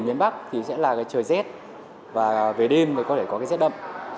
tỉnh bắc thì sẽ là trời rét và về đêm có thể có rét đậm